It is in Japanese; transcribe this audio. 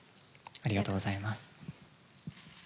ありがとうございます。